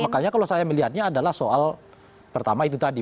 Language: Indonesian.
makanya kalau saya melihatnya adalah soal pertama itu tadi